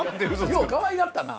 ようかわいがったな。